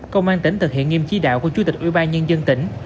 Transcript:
công an tỉnh thực hiện nghiêm trí đạo của chủ tịch ủy ban nhân dân tỉnh